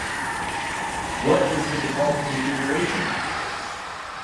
What is default configuration?